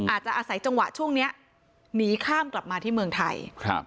อาจจะอาศัยจังหวะช่วงนี้หนีข้ามกลับมาที่เมืองไทยครับ